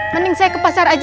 mending saya ke pasar aja